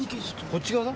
こっち側？